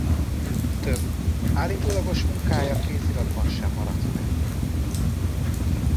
Több állítólagos munkája kéziratban sem maradt fenn.